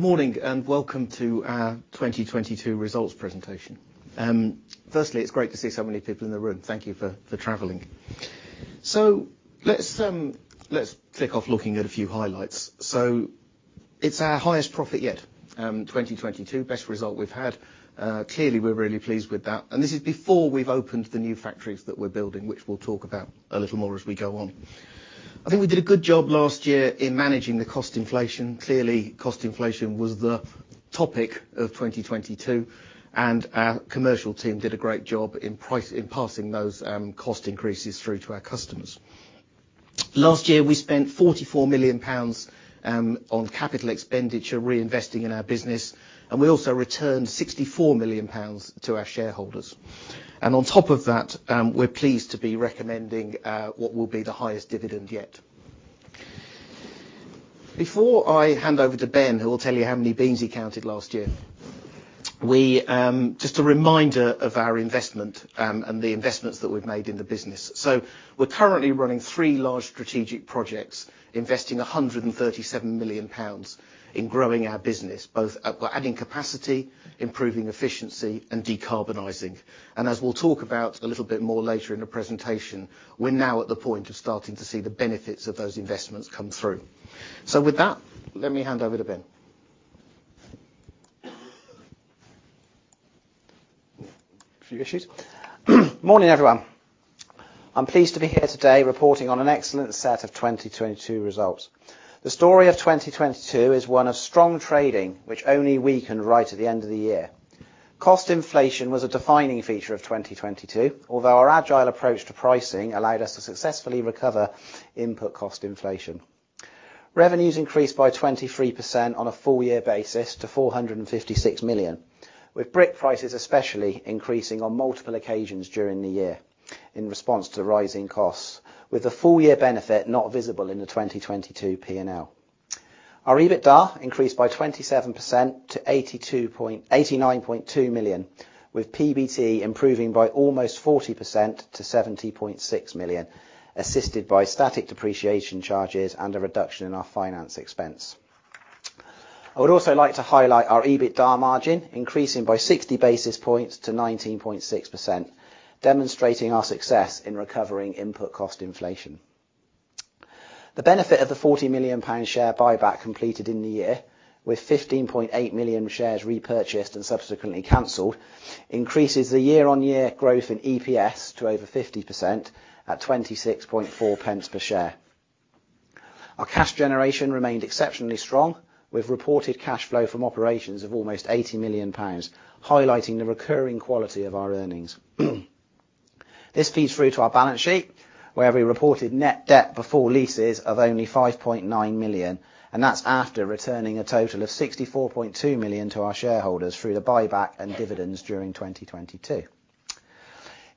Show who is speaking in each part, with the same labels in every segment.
Speaker 1: Morning, welcome to our 2022 results presentation. Firstly, it's great to see so many people in the room. Thank you for traveling. Let's kick off looking at a few highlights. It's our highest profit yet, 2022. Best result we've had. Clearly we're really pleased with that, and this is before we've opened the new factories that we're building, which we'll talk about a little more as we go on. I think we did a good job last year in managing the cost inflation. Clearly, cost inflation was the topic of 2022, and our commercial team did a great job in passing those cost increases through to our customers. Last year, we spent 44 million pounds on capital expenditure, reinvesting in our business, and we also returned 64 million pounds to our shareholders. On top of that, we're pleased to be recommending what will be the highest dividend yet. Before I hand over to Ben, who will tell you how many beans he counted last year, just a reminder of our investment and the investments that we've made in the business. We're currently running three large strategic projects, investing 137 million pounds in growing our business, both by adding capacity, improving efficiency and decarbonizing. As we'll talk about a little bit more later in the presentation, we're now at the point of starting to see the benefits of those investments come through. With that, let me hand over to Ben.
Speaker 2: A few issues. Morning, everyone. I'm pleased to be here today reporting on an excellent set of 2022 results. The story of 2022 is one of strong trading, which only we can write at the end of the year. Cost inflation was a defining feature of 2022, although our agile approach to pricing allowed us to successfully recover input cost inflation. Revenues increased by 23% on a full year basis to 456 million, with brick prices especially increasing on multiple occasions during the year in response to rising costs, with the full year benefit not visible in the 2022 P&L. Our EBITDA increased by 27% to 89.2 million, with PBT improving by almost 40% to 70.6 million, assisted by static depreciation charges and a reduction in our finance expense. I would also like to highlight our EBITDA margin increasing by 60 basis points to 19.6%, demonstrating our success in recovering input cost inflation. The benefit of the 40 million pound share buyback completed in the year, with 15.8 million shares repurchased and subsequently canceled, increases the year-on-year growth in EPS to over 50% at 26.4 pence per share. Our cash generation remained exceptionally strong, with reported cash flow from operations of almost 80 million pounds, highlighting the recurring quality of our earnings. This feeds through to our balance sheet, where we reported net debt before leases of only 5.9 million, and that's after returning a total of 64.2 million to our shareholders through the buyback and dividends during 2022.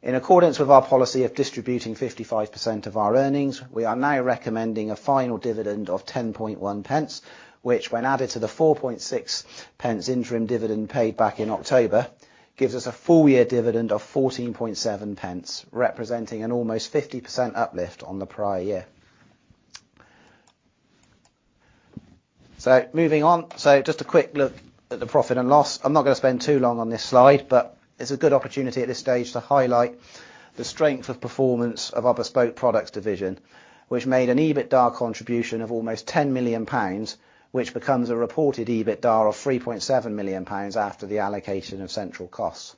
Speaker 2: In accordance with our policy of distributing 55% of our earnings, we are now recommending a final dividend of 0.101, which when added to the 0.046 interim dividend paid back in October, gives us a full year dividend of 0.147, representing an almost 50% uplift on the prior year. Moving on. Just a quick look at the profit and loss. I'm not going to spend too long on this slide, but it's a good opportunity at this stage to highlight the strength of performance of our Bespoke Products division, which made an EBITDA contribution of almost 10 million pounds, which becomes a reported EBITDA of 3.7 million pounds after the allocation of central costs.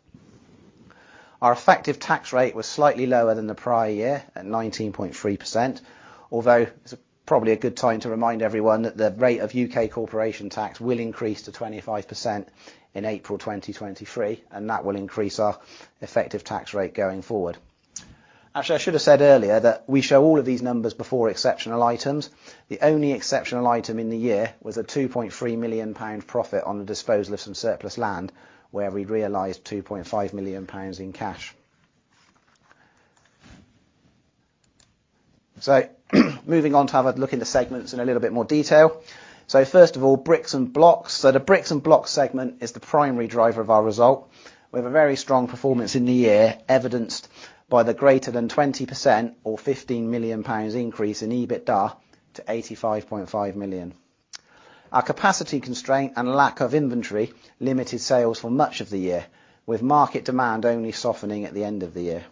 Speaker 2: Our effective tax rate was slightly lower than the prior year, at 19.3%. It's probably a good time to remind everyone that the rate of U.K. corporation tax will increase to 25% in April 2023, that will increase our effective tax rate going forward. Actually, I should have said earlier that we show all of these numbers before exceptional items. The only exceptional item in the year was a 2.3 million pound profit on the disposal of some surplus land, where we realized 2.5 million pounds in cash. Moving on to have a look in the segments in a little bit more detail. First of all, bricks and blocks. The bricks and blocks segment is the primary driver of our result. We have a very strong performance in the year, evidenced by the greater than 20% or 15 million pounds increase in EBITDA to 85.5 million. Our capacity constraint and lack of inventory limited sales for much of the year, with market demand only softening at the end of the year.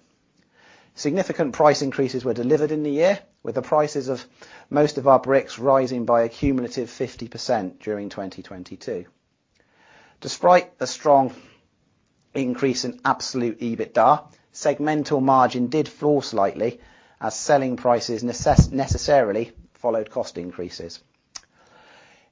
Speaker 2: Significant price increases were delivered in the year, with the prices of most of our bricks rising by a cumulative 50% during 2022. Despite a strong increase in absolute EBITDA, segmental margin did fall slightly as selling prices necessarily followed cost increases.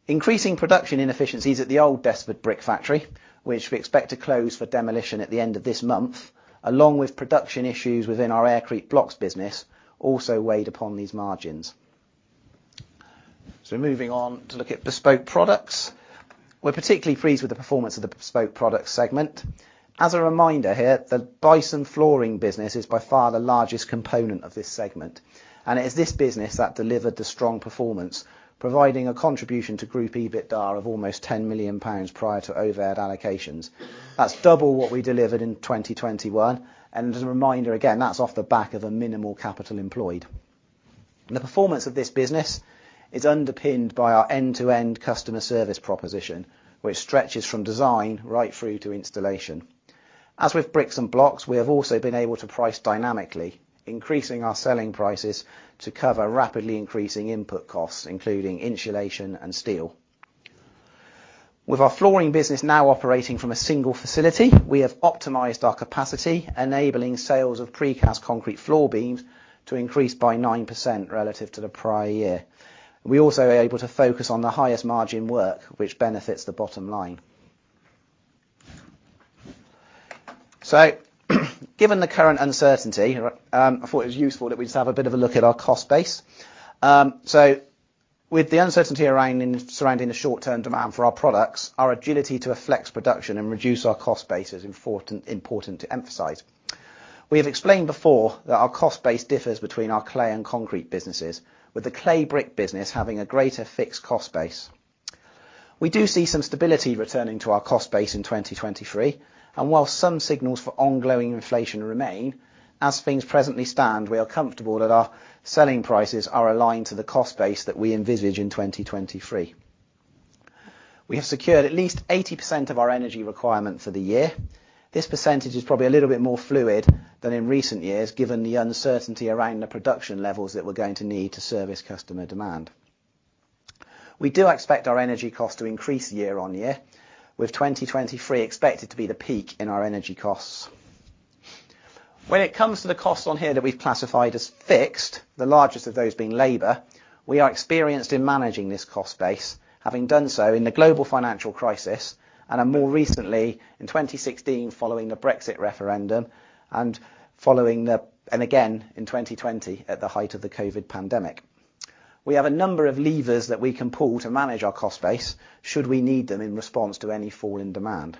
Speaker 2: Increasing production inefficiencies at the old Desford brick factory, which we expect to close for demolition at the end of this month, along with production issues within our Aircrete blocks business, also weighed upon these margins. Moving on, to look at Bespoke Products. We're particularly pleased with the performance of the Bespoke Products segment. As a reminder here, the Bison flooring business is by far the largest component of this segment, and it is this business that delivered the strong performance, providing a contribution to group EBITDA of almost 10 million pounds prior to overhead allocations. That's double what we delivered in 2021. As a reminder, again, that's off the back of a minimal capital employed. The performance of this business is underpinned by our end-to-end customer service proposition, which stretches from design right through to installation. As with bricks and blocks, we have also been able to price dynamically, increasing our selling prices to cover rapidly increasing input costs, including insulation and steel. With our flooring business now operating from a single facility, we have optimized our capacity, enabling sales of precast concrete floor beams to increase by 9% relative to the prior year. We also are able to focus on the highest margin work, which benefits the bottom line. Given the current uncertainty, I thought it was useful that we just have a bit of a look at our cost base. With the uncertainty around surrounding the short term demand for our products, our agility to flex production and reduce our cost base is important to emphasize. We have explained before that our cost base differs between our clay and concrete businesses, with the clay brick business having a greater fixed cost base. We do see some stability returning to our cost base in 2023, and while some signals for ongoing inflation remain, as things presently stand, we are comfortable that our selling prices are aligned to the cost base that we envisage in 2023. We have secured at least 80% of our energy requirement for the year. This percentage is probably a little bit more fluid than in recent years, given the uncertainty around the production levels that we're going to need to service customer demand. We do expect our energy costs to increase year-over-year, with 2023 expected to be the peak in our energy costs. When it comes to the costs on here that we've classified as fixed, the largest of those being labor, we are experienced in managing this cost base, having done so in the global financial crisis and are more recently in 2016 following the Brexit referendum and again in 2020 at the height of the COVID pandemic. We have a number of levers that we can pull to manage our cost base should we need them in response to any fall in demand.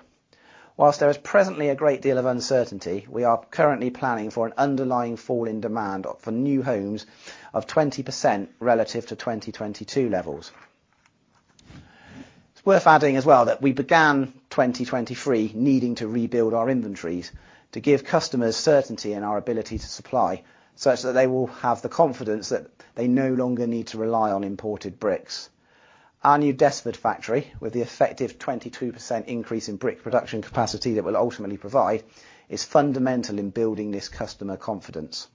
Speaker 2: While there is presently a great deal of uncertainty, we are currently planning for an underlying fall in demand of the new homes of 20% relative to 2022 levels. It's worth adding as well that we began 2023 needing to rebuild our inventories to give customers certainty in our ability to supply such that they will have the confidence that they no longer need to rely on imported bricks. Our new Desford factory, with the effective 22% increase in brick production capacity that we'll ultimately provide, is fundamental in building this customer confidence.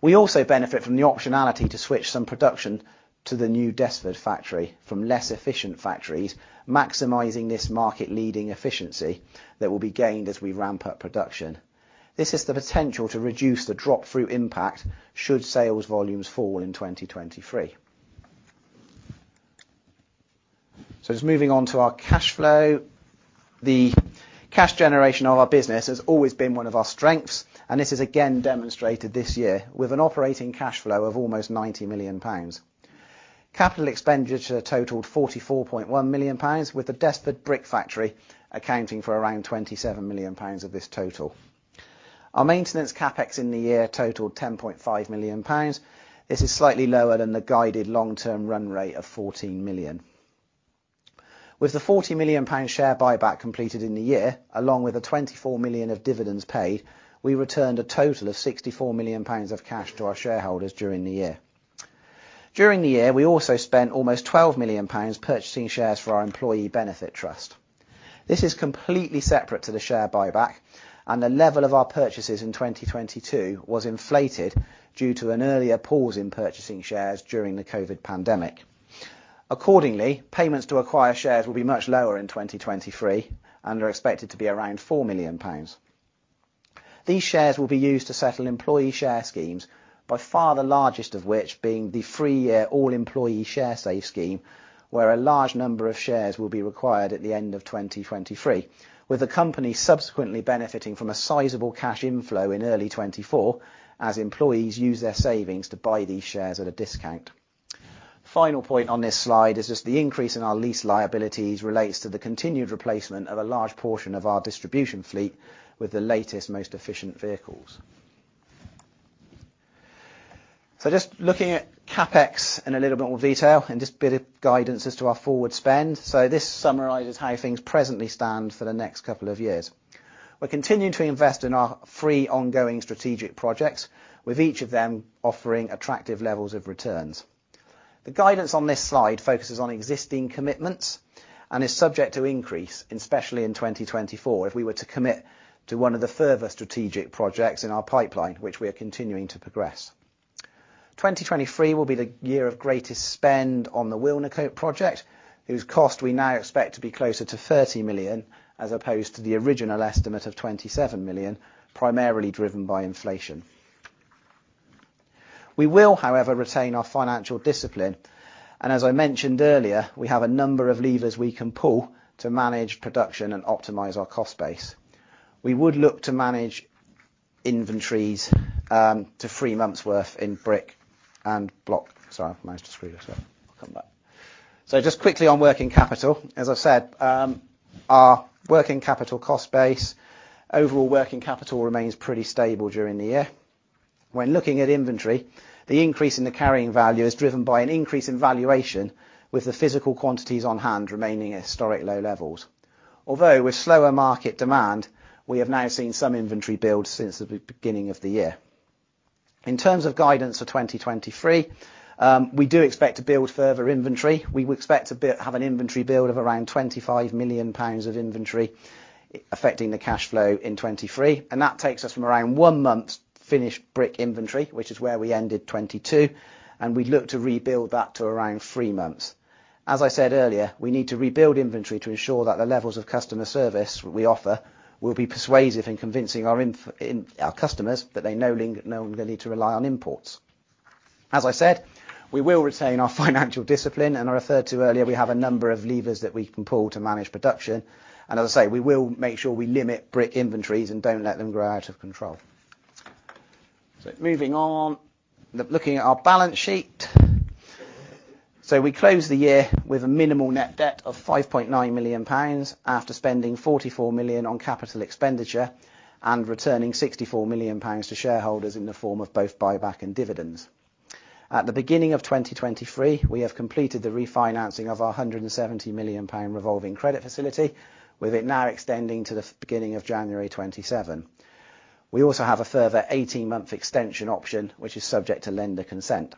Speaker 2: We also benefit from the optionality to switch some production to the new Desford factory from less efficient factories, maximizing this market-leading efficiency that will be gained as we ramp up production. This has the potential to reduce the drop through impact should sales volumes fall in 2023. Just moving on to our cash flow. The cash generation of our business has always been one of our strengths, and this is again demonstrated this year with an operating cash flow of almost 90 million pounds. Capital expenditure totaled 44.1 million pounds, with the Desford brick factory accounting for around 27 million pounds of this total. Our maintenance CapEx in the year totaled 10.5 million pounds. This is slightly lower than the guided long-term run rate of 14 million. With the 40 million pound share buyback completed in the year, along with the 24 million of dividends paid, we returned a total of 64 million pounds of cash to our shareholders during the year. During the year, we also spent almost 12 million pounds purchasing shares for our employee benefit trust. This is completely separate to the share buyback, and the level of our purchases in 2022 was inflated due to an earlier pause in purchasing shares during the COVID pandemic. Accordingly, payments to acquire shares will be much lower in 2023 and are expected to be around 4 million pounds. These shares will be used to settle employee share schemes, by far the largest of which being the three-year all employee Sharesave scheme, where a large number of shares will be required at the end of 2023, with the company subsequently benefiting from a sizable cash inflow in early 2024 as employees use their savings to buy these shares at a discount. Final point on this slide is just the increase in our lease liabilities relates to the continued replacement of a large portion of our distribution fleet with the latest, most efficient vehicles. Just looking at CapEx in a little bit more detail and just a bit of guidance as to our forward spend. This summarizes how things presently stand for the next couple of years. We're continuing to invest in our three ongoing strategic projects, with each of them offering attractive levels of returns. The guidance on this slide focuses on existing commitments and is subject to increase, especially in 2024, if we were to commit to one of the further strategic projects in our pipeline, which we are continuing to progress. 2023 will be the year of greatest spend on the Wilnecote project, whose cost we now expect to be closer to 30 million as opposed to the original estimate of 27 million, primarily driven by inflation. We will, however, retain our financial discipline, and as I mentioned earlier, we have a number of levers we can pull to manage production and optimize our cost base. We would look to manage inventories to three months worth in brick and block. Sorry, I've managed to screw this up. I'll come back. Just quickly on working capital, as I said, our working capital cost base, overall working capital remains pretty stable during the year. When looking at inventory, the increase in the carrying value is driven by an increase in valuation, with the physical quantities on hand remaining at historic low levels. Although with slower market demand, we have now seen some inventory build since the beginning of the year. In terms of guidance for 2023, we do expect to build further inventory. We would expect to have an inventory build of around 25 million pounds of inventory affecting the cash flow in 2023, and that takes us from around one month finished brick inventory, which is where we ended 2022, and we'd look to rebuild that to around three months. As I said earlier, we need to rebuild inventory to ensure that the levels of customer service we offer will be persuasive in convincing our customers that they no longer need to rely on imports. As I said, we will retain our financial discipline, and I referred to earlier we have a number of levers that we can pull to manage production. As I say, we will make sure we limit brick inventories and don't let them grow out of control. Moving on, looking at our balance sheet. We closed the year with a minimal net debt of 5.9 million pounds after spending 44 million on capital expenditure and returning 64 million pounds to shareholders in the form of both buyback and dividends. At the beginning of 2023, we have completed the refinancing of our 170 million pound revolving credit facility, with it now extending to the beginning of January 2027. We also have a further 18-month extension option, which is subject to lender consent.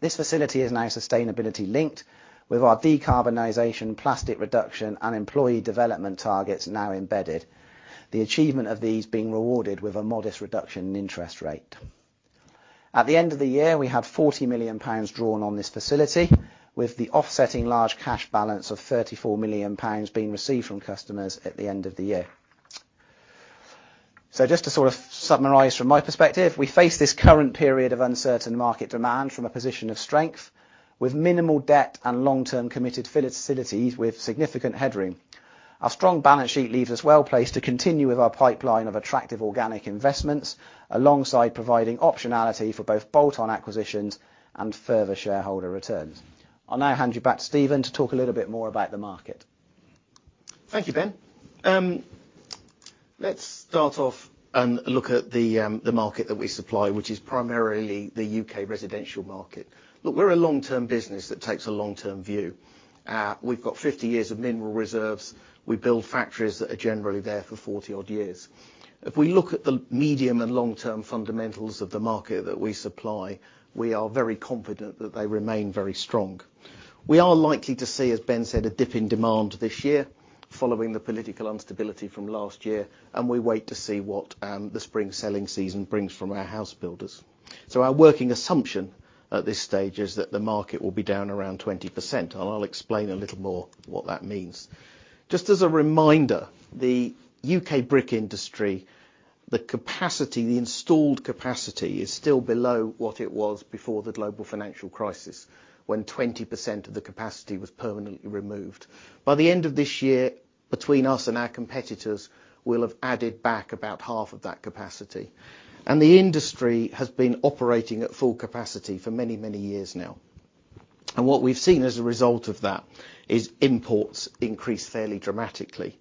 Speaker 2: This facility is now sustainability-linked with our decarbonization, plastic reduction, and employee development targets now embedded, the achievement of these being rewarded with a modest reduction in interest rate. At the end of the year, we had 40 million pounds drawn on this facility, with the offsetting large cash balance of 34 million pounds being received from customers at the end of the year. Just to sort of summarize from my perspective, we face this current period of uncertain market demand from a position of strength with minimal debt and long-term committed facilities with significant headroom. Our strong balance sheet leaves us well-placed to continue with our pipeline of attractive organic investments, alongside providing optionality for both bolt-on acquisitions and further shareholder returns. I'll now hand you back to Stephen to talk a little bit more about the market.
Speaker 1: Thank you, Ben. Let's start off and look at the market that we supply, which is primarily the U.K. residential market. Look, we're a long-term business that takes a long-term view. We've got 50 years of mineral reserves. We build factories that are generally there for 40-odd years. If we look at the medium and long-term fundamentals of the market that we supply, we are very confident that they remain very strong. We are likely to see, as Ben said, a dip in demand this year following the political instability from last year, and we wait to see what the spring selling season brings from our house builders. Our working assumption at this stage is that the market will be down around 20%, and I'll explain a little more what that means. Just as a reminder, the U.K. brick industry, the capacity, the installed capacity is still below what it was before the global financial crisis when 20% of the capacity was permanently removed. By the end of this year, between us and our competitors, we'll have added back about half of that capacity. The industry has been operating at full capacity for many, many years now. What we've seen as a result of that is imports increase fairly dramatically.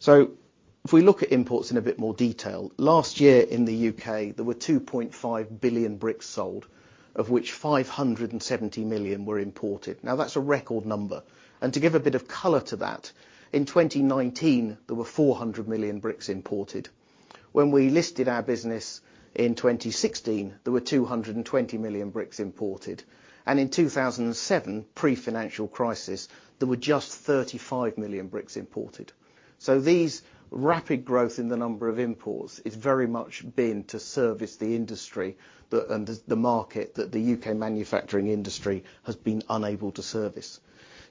Speaker 1: If we look at imports in a bit more detail, last year in the U.K., there were 2.5 billion bricks sold, of which 570 million were imported. That's a record number. To give a bit of color to that, in 2019, there were 400 million bricks imported. When we listed our business in 2016, there were 220 million bricks imported, and in 2007, pre-financial crisis, there were just 35 million bricks imported. These rapid growth in the number of imports is very much been to service the industry that the market that the U.K. manufacturing industry has been unable to service.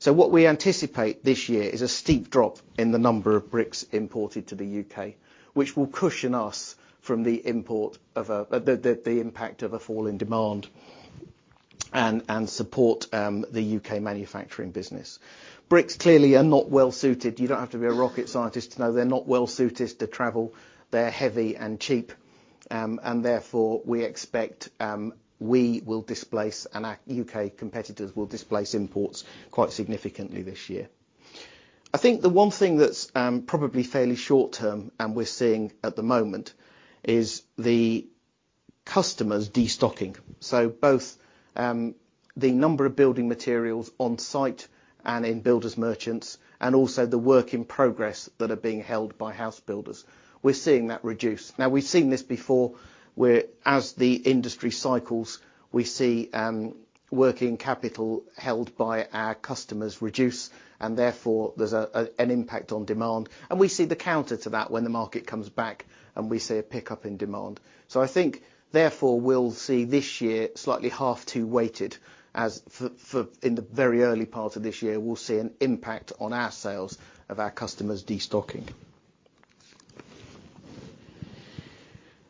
Speaker 1: What we anticipate this year is a steep drop in the number of bricks imported to the U.K., which will cushion us from the impact of a fall in demand and support the U.K. manufacturing business. Bricks clearly are not well suited. You don't have to be a rocket scientist to know they're not well suited to travel. They're heavy and cheap. Therefore, we expect, we will displace, and our U.K. competitors will displace imports quite significantly this year. I think the one thing that's probably fairly short-term and we're seeing at the moment is the customers destocking. Both the number of building materials on site and in builders merchants and also the work in progress that are being held by house builders, we're seeing that reduce. Now, we've seen this before, where as the industry cycles, we see working capital held by our customers reduce, and therefore there's an impact on demand. We see the counter to that when the market comes back, and we see a pickup in demand. I think, therefore, we'll see this year slightly H2 weighted as in the very early part of this year, we'll see an impact on our sales of our customers destocking.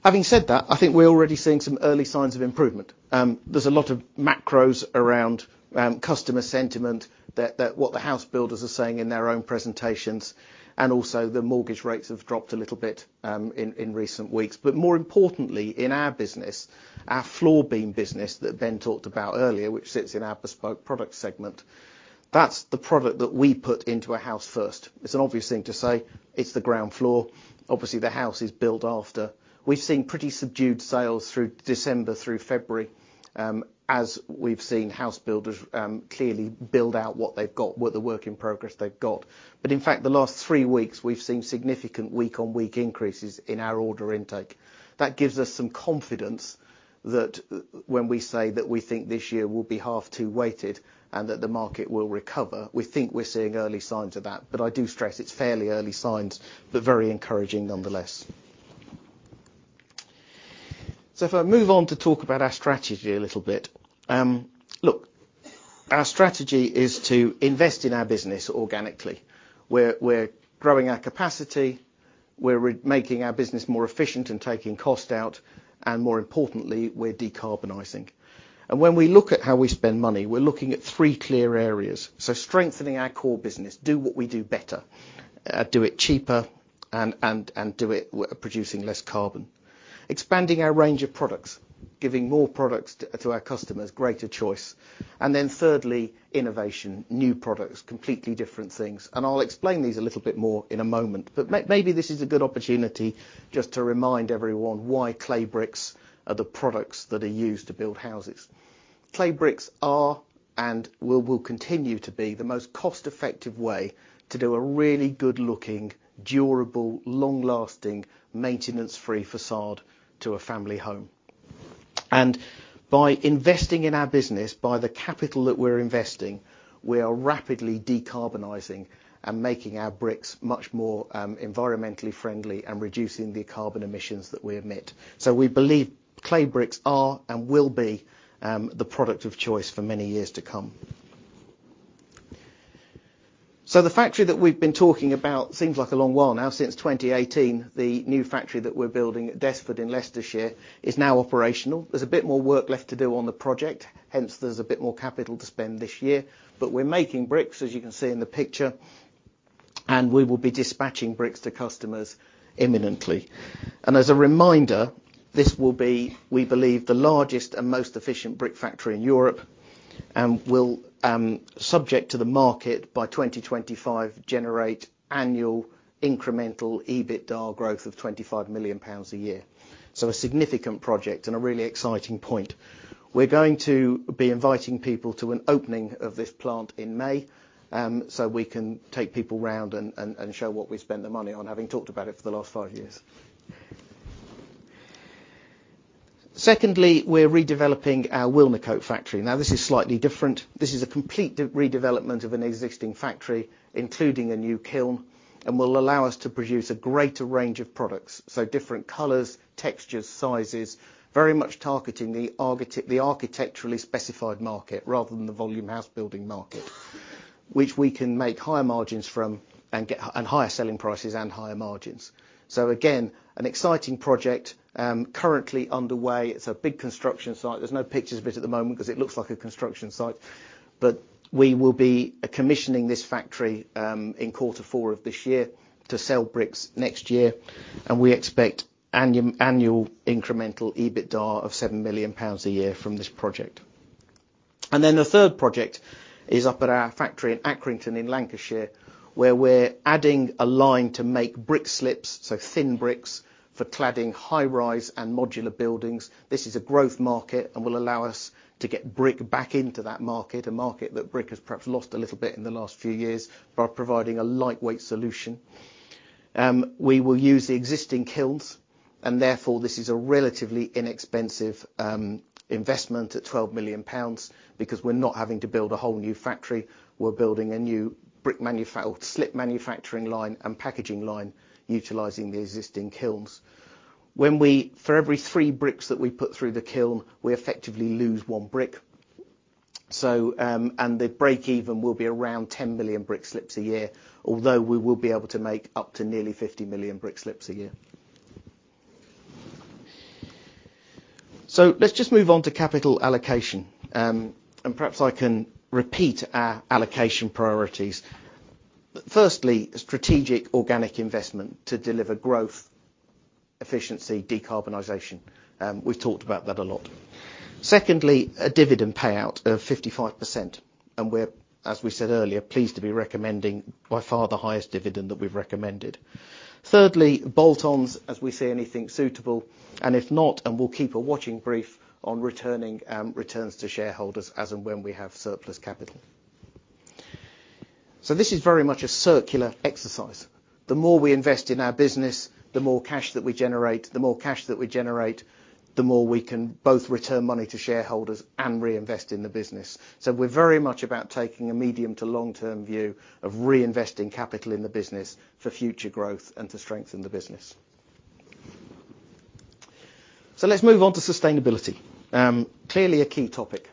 Speaker 1: Having said that, I think we're already seeing some early signs of improvement. There's a lot of macros around customer sentiment that what the house builders are saying in their own presentations, and also the mortgage rates have dropped a little bit in recent weeks. More importantly, in our business, our floor beam business that Ben talked about earlier, which sits in our Bespoke Products segment. That's the product that we put into a house first. It's an obvious thing to say, it's the ground floor. Obviously, the house is built after. We've seen pretty subdued sales through December through February, as we've seen house builders clearly build out what they've got, with the work in progress they've got. In fact, the last three weeks, we've seen significant week-on-week increases in our order intake. That gives us some confidence that when we say that we think this year will be half two weighted and that the market will recover, we think we're seeing early signs of that. I do stress it's fairly early signs, but very encouraging nonetheless. If I move on to talk about our strategy a little bit. Look, our strategy is to invest in our business organically, where we're growing our capacity, we're making our business more efficient and taking cost out, and more importantly, we're decarbonizing. When we look at how we spend money, we're looking at three clear areas. Strengthening our core business, do what we do better, do it cheaper and producing less carbon. Expanding our range of products, giving more products to our customers, greater choice. Thirdly, innovation, new products, completely different things. I'll explain these a little bit more in a moment. Maybe this is a good opportunity just to remind everyone why clay bricks are the products that are used to build houses. Clay bricks are and will continue to be the most cost-effective way to do a really good-looking, durable, long-lasting maintenance-free facade to a family home. By investing in our business, by the capital that we're investing, we are rapidly decarbonizing and making our bricks much more environmentally friendly and reducing the carbon emissions that we emit. We believe clay bricks are and will be the product of choice for many years to come. The factory that we've been talking about seems like a long while now, since 2018, the new factory that we're building at Desford in Leicestershire is now operational. There's a bit more work left to do on the project, hence there's a bit more capital to spend this year. We're making bricks, as you can see in the picture, and we will be dispatching bricks to customers imminently. As a reminder, this will be, we believe, the largest and most efficient brick factory in Europe, and will, subject to the market by 2025, generate annual incremental EBITDA growth of 25 million pounds a year. A significant project and a really exciting point. We're going to be inviting people to an opening of this plant in May, so we can take people round and show what we spent the money on, having talked about it for the last five years. Secondly, we're redeveloping our Wilnecote factory. This is slightly different. This is a complete redevelopment of an existing factory, including a new kiln, and will allow us to produce a greater range of products. Different colors, textures, sizes, very much targeting the architecturally specified market rather than the volume house building market, which we can make higher margins from and higher selling prices and higher margins. Again, an exciting project, currently underway. It's a big construction site. There's no pictures of it at the moment 'cause it looks like a construction site. We will be commissioning this factory in quarter four of this year to sell bricks next year, and we expect annual incremental EBITDA of 7 million pounds a year from this project. The third project is up at our factory in Accrington, in Lancashire, where we're adding a line to make brick slips, so thin bricks for cladding high-rise and modular buildings. This is a growth market and will allow us to get brick back into that market, a market that brick has perhaps lost a little bit in the last few years by providing a lightweight solution. We will use the existing kilns, and therefore this is a relatively inexpensive investment at 12 million pounds because we're not having to build a whole new factory. We're building a new brick or slip manufacturing line and packaging line utilizing the existing kilns. For every 3 bricks that we put through the kiln, we effectively lose 1 brick. And the break even will be around 10 million brick slips a year, although we will be able to make up to nearly 50 million brick slips a year. Let's just move on to capital allocation. Perhaps I can repeat our allocation priorities. Firstly, a strategic organic investment to deliver growth, efficiency, decarbonization, and we've talked about that a lot. Secondly, a dividend payout of 55%, and we're, as we said earlier, pleased to be recommending by far the highest dividend that we've recommended. Thirdly, bolt-ons as we see anything suitable, and if not, and we'll keep a watching brief on returning returns to shareholders as and when we have surplus capital. This is very much a circular exercise. The more we invest in our business, the more cash that we generate, the more we can both return money to shareholders and reinvest in the business. We're very much about taking a medium to long-term view of reinvesting capital in the business for future growth and to strengthen the business. Let's move on to sustainability. Clearly a key topic.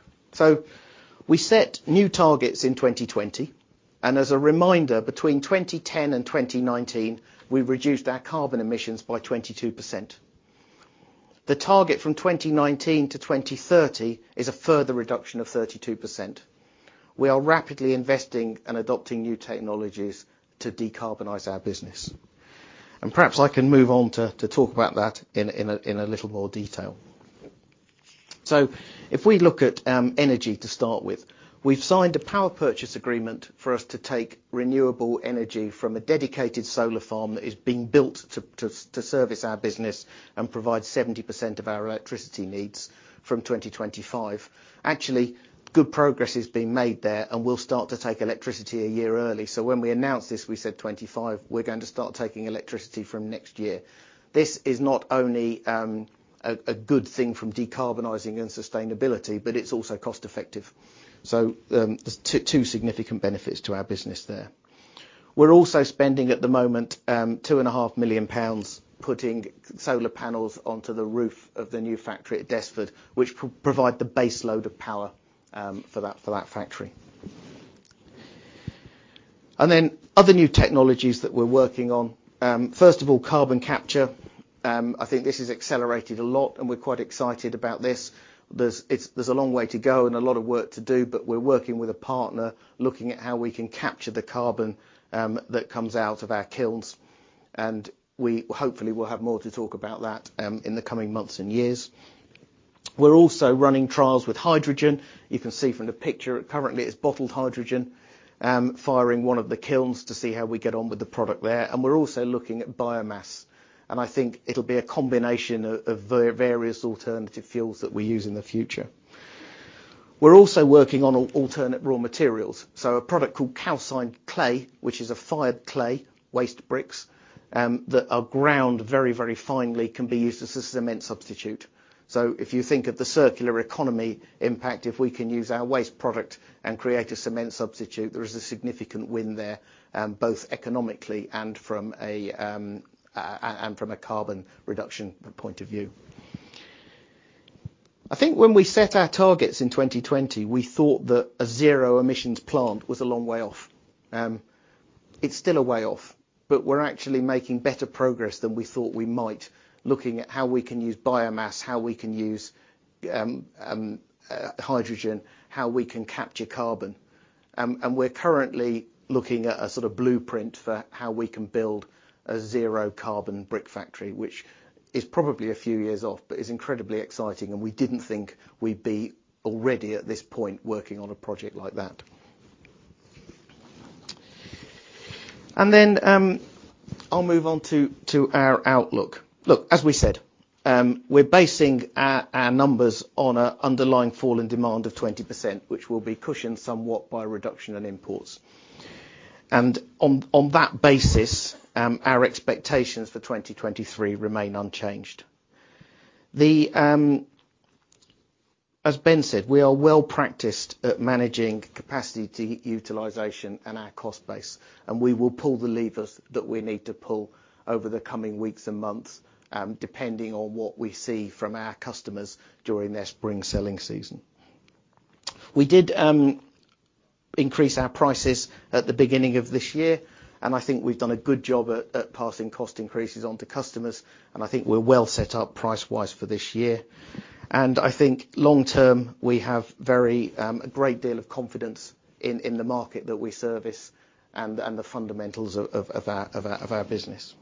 Speaker 1: We set new targets in 2020, and as a reminder, between 2010 and 2019, we reduced our carbon emissions by 22%. The target from 2019 to 2030 is a further reduction of 32%. We are rapidly investing and adopting new technologies to decarbonize our business. Perhaps I can move on to talk about that in a little more detail. If we look at energy to start with, we've signed a power purchase agreement for us to take renewable energy from a dedicated solar farm that is being built to service our business and provide 70% of our electricity needs from 2025. Actually, good progress is being made there, we'll start to take electricity a year early. When we announced this, we said 25, we're going to start taking electricity from next year. This is not only a good thing from decarbonizing and sustainability, it's also cost-effective. There's two significant benefits to our business there. We're also spending, at the moment, 2.5 million pounds putting solar panels onto the roof of the new factory at Desford, which provide the base load of power for that factory. Other new technologies that we're working on, first of all, carbon capture. I think this has accelerated a lot, and we're quite excited about this. There's a long way to go and a lot of work to do, but we're working with a partner looking at how we can capture the carbon that comes out of our kilns, and we hopefully will have more to talk about that in the coming months and years. We're also running trials with hydrogen. You can see from the picture currently it's bottled hydrogen, firing one of the kilns to see how we get on with the product there. We're also looking at biomass, and I think it'll be a combination of various alternative fuels that we use in the future. We're also working on alternate raw materials. A product called calcined clay, which is a fired clay, waste bricks, that are ground very, very finely, can be used as a cement substitute. If you think of the circular economy impact, if we can use our waste product and create a cement substitute, there is a significant win there, both economically and from a carbon reduction point of view. I think when we set our targets in 2020, we thought that a zero emissions plant was a long way off. It's still a way off, but we're actually making better progress than we thought we might, looking at how we can use biomass, how we can use hydrogen, how we can capture carbon. We're currently looking at a sort of blueprint for how we can build a zero carbon brick factory, which is probably a few years off, but is incredibly exciting, and we didn't think we'd be already at this point working on a project like that. I'll move on to our outlook. Look, as we said, we're basing our numbers on a underlying fall in demand of 20%, which will be cushioned somewhat by reduction in imports. On that basis, our expectations for 2023 remain unchanged. The, as Ben said, we are well practiced at managing capacity utilization and our cost base, and we will pull the levers that we need to pull over the coming weeks and months, depending on what we see from our customers during their spring selling season. We did, increase our prices at the beginning of this year, and I think we've done a good job at passing cost increases on to customers, and I think we're well set up price-wise for this year. I think long term, we have very, a great deal of confidence in the market that we service and the fundamentals of our business.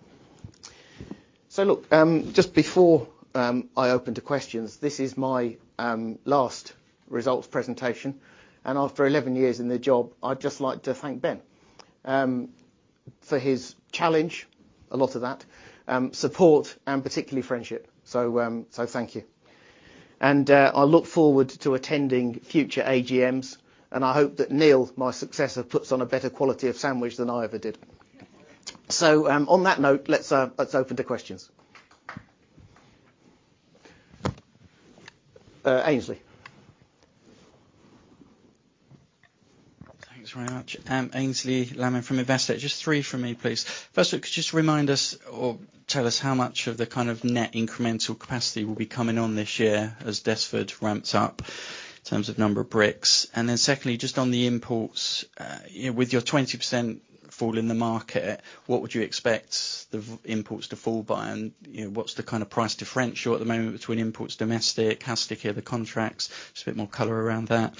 Speaker 1: Look, just before, I open to questions, this is my last results presentation, and after 11 years in the job, I'd just like to thank Ben, for his challenge, a lot of that, support and particularly friendship. Thank you. I look forward to attending future AGMs, and I hope that Neil, my successor, puts on a better quality of sandwich than I ever did. On that note, let's open to questions. Aynsley.
Speaker 3: Thanks very much, Aynsley Lammin from Investec. Just three from me, please. First, could you just remind us or tell us how much of the kind of net incremental capacity will be coming on this year as Desford ramps up in terms of number of bricks? Secondly, just on the imports, you know, with your 20% fall in the market, what would you expect the imports to fall by? You know, what's the kind of price differential at the moment between imports, domestic, how sticky are the contracts? Just a bit more color around that.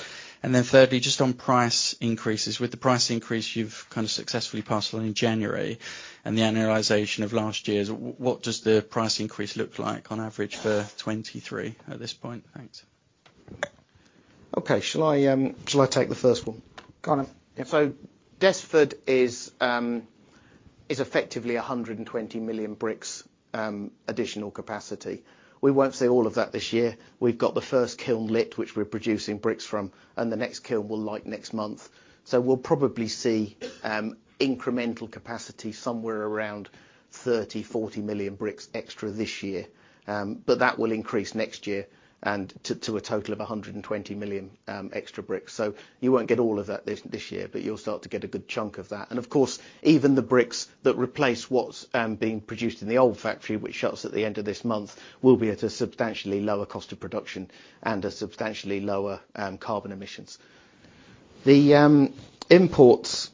Speaker 3: Thirdly, just on price increases. With the price increase you've kind of successfully passed on in January and the annualization of last year's, what does the price increase look like on average for 2023 at this point? Thanks.
Speaker 1: Okay. Shall I take the first one?
Speaker 2: Go on then.
Speaker 1: Desford is effectively 120 million bricks additional capacity. We won't see all of that this year. We've got the first kiln lit, which we're producing bricks from, and the next kiln will light next month. We'll probably see incremental capacity somewhere around 30-40 million bricks extra this year. That will increase next year and to a total of 120 million extra bricks. You won't get all of that this year, but you'll start to get a good chunk of that. Of course, even the bricks that replace what's being produced in the old factory, which shuts at the end of this month, will be at a substantially lower cost of production and a substantially lower carbon emissions. The imports,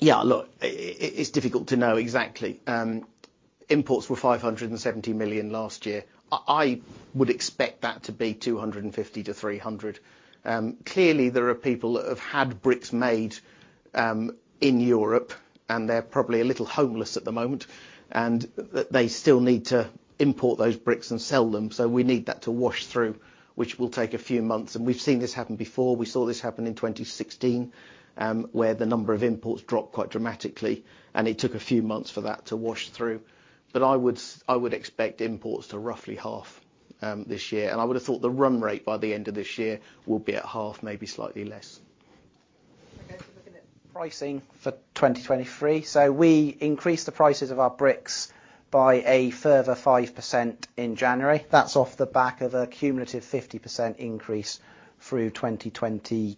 Speaker 1: yeah, look, it's difficult to know exactly. Imports were 570 million last year. I would expect that to be 250 million-300 million. Clearly, there are people that have had bricks made in Europe. They're probably a little homeless at the moment, and they still need to import those bricks and sell them. We need that to wash through, which will take a few months. We've seen this happen before. We saw this happen in 2016, where the number of imports dropped quite dramatically, and it took a few months for that to wash through. I would expect imports to roughly half this year. I would have thought the run rate by the end of this year will be at half, maybe slightly less.
Speaker 2: Looking at pricing for 2023. We increased the prices of our bricks by a further 5% in January. That's off the back of a cumulative 50% increase through 2022.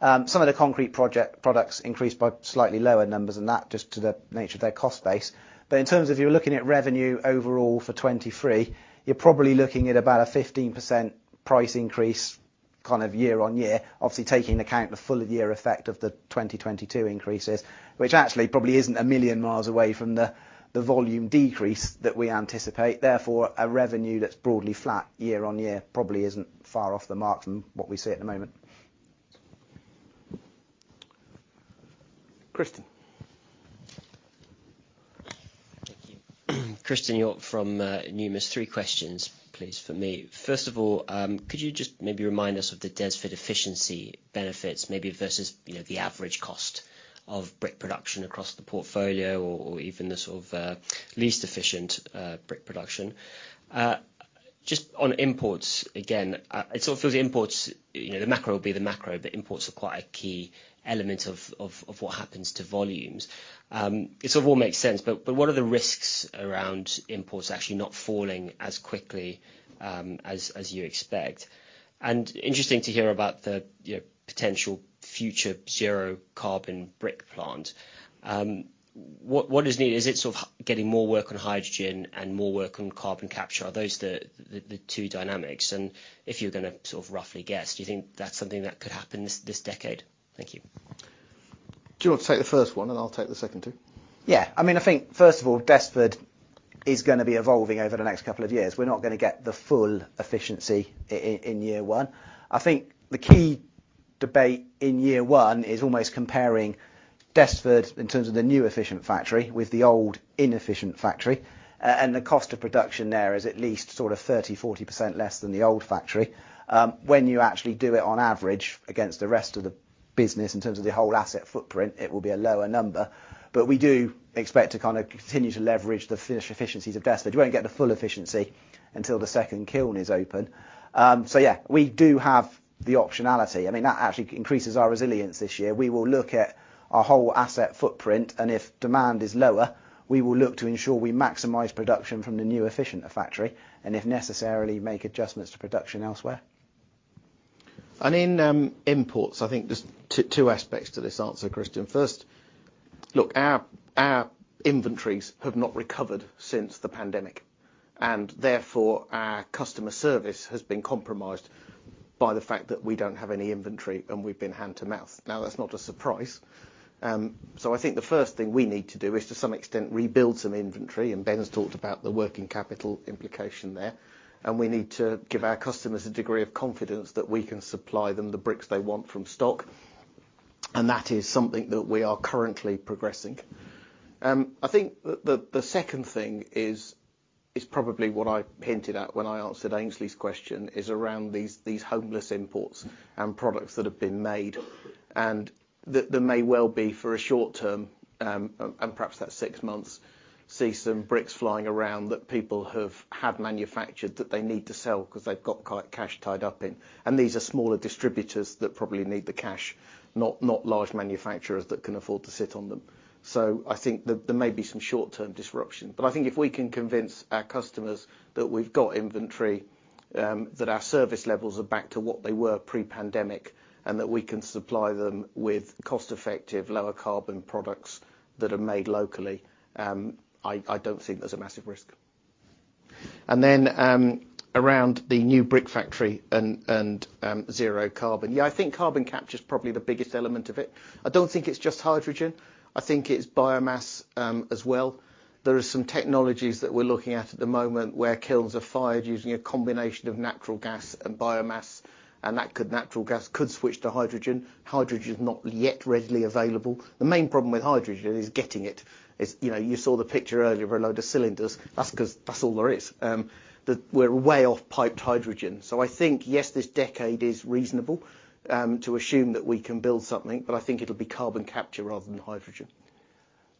Speaker 2: Some of the concrete products increased by slightly lower numbers than that, just to the nature of their cost base. In terms of you're looking at revenue overall for 23, you're probably looking at about a 15% price increase kind of year-on-year. Obviously, taking into account the full year effect of the 2022 increases, which actually probably isn't a million miles away from the volume decrease that we anticipate. Therefore, a revenue that's broadly flat year-on-year probably isn't far off the mark from what we see at the moment.
Speaker 1: Christian.
Speaker 4: Thank you. Christian York from Numis. Three questions, please, from me. First of all, could you just maybe remind us of the Desford efficiency benefits, maybe versus, you know, the average cost of brick production across the portfolio or even the sort of least efficient brick production? Just on imports, again, it sort of feels imports, you know, the macro will be the macro, but imports are quite a key element of what happens to volumes. It sort of all makes sense, but what are the risks around imports actually not falling as quickly as you expect? Interesting to hear about the, you know, potential future zero carbon brick plant. What is needed? Is it sort of getting more work on hydrogen and more work on carbon capture? Are those the two dynamics? If you're gonna sort of roughly guess, do you think that's something that could happen this decade? Thank you.
Speaker 1: Do you want to take the first one, and I'll take the second two?
Speaker 2: Yeah. I mean, I think first of all, Desford is gonna be evolving over the next couple of years. We're not gonna get the full efficiency in year one. I think the key debate in year one is almost comparing Desford in terms of the new efficient factory with the old inefficient factory. The cost of production there is at least sort of 30%-40% less than the old factory. When you actually do it on average against the rest of the business in terms of the whole asset footprint, it will be a lower number. We do expect to kinda continue to leverage the efficiencies of Desford. You won't get the full efficiency until the second kiln is open. Yeah, we do have the optionality. I mean, that actually increases our resilience this year. We will look at our whole asset footprint, and if demand is lower, we will look to ensure we maximize production from the new efficient factory, and if necessarily, make adjustments to production elsewhere.
Speaker 1: In imports, I think there's two aspects to this answer, Christian. First, our inventories have not recovered since the pandemic, and therefore, our customer service has been compromised by the fact that we don't have any inventory and we've been hand to mouth. That's not a surprise. So I think the first thing we need to do is, to some extent, rebuild some inventory, and Ben's talked about the working capital implication there, and we need to give our customers a degree of confidence that we can supply them the bricks they want from stock. That is something that we are currently progressing. I think the second thing is probably what I hinted at when I answered Aynsley's question, is around these homeless imports and products that have been made, there may well be for a short term, and perhaps that's six months, see some bricks flying around that people have had manufactured that they need to sell 'cause they've got cash tied up in. These are smaller distributors that probably need the cash, not large manufacturers that can afford to sit on them. I think that there may be some short-term disruption. I think if we can convince our customers that we've got inventory, that our service levels are back to what they were pre-pandemic, and that we can supply them with cost-effective, lower carbon products that are made locally, I don't think there's a massive risk. Around the new brick factory and zero carbon. Yeah, I think carbon capture is probably the biggest element of it. I don't think it's just hydrogen. I think it's biomass as well. There are some technologies that we're looking at at the moment where kilns are fired using a combination of natural gas and biomass, and that natural gas could switch to hydrogen. Hydrogen is not yet readily available. The main problem with hydrogen is getting it. It's, you know, you saw the picture earlier of a load of cylinders. That's 'cause that's all there is. We're way off piped hydrogen. I think, yes, this decade is reasonable to assume that we can build something, but I think it'll be carbon capture rather than hydrogen.